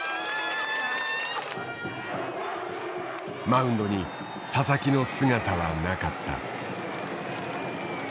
マウンドに佐々木の姿はなかった。